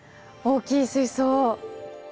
大きい水槽！